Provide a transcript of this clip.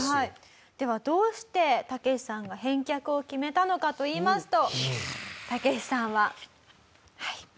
ではどうしてタケシさんが返却を決めたのかといいますとタケシさんははい。